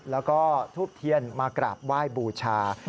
แล้วก็ทูบเทียนมากราบไหว้บูชา